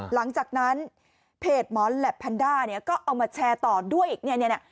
หลังจากนั้นเพจหมอนแล็บแพนเนี้ยก็เอามาแชร์ต่อด้วยอีกเนี้ยเนี้ย